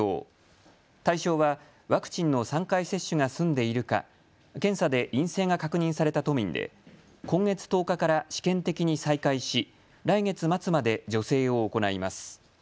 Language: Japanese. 対象はワクチンの３回接種が済んでいるか検査で陰性が確認された都民で今月１０日から試験的に再開し来月末まで助成を行います。